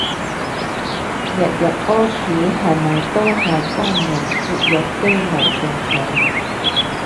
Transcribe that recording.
日日屙屎係咪都係肛門括約肌奴性重